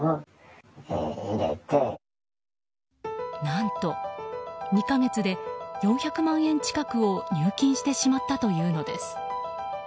何と、２か月で４００万円近くを入金してしまったというのです。